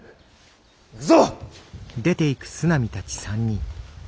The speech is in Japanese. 行くぞ！